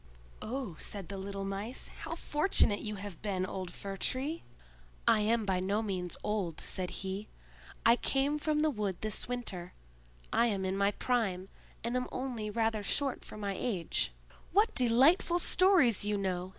"Oh," said the little Mice, "how fortunate you have been, old Fir tree!" "I am by no means old," said he. "I came from the wood this winter; I am in my prime, and am only rather short for my age." "What delightful stories you know!"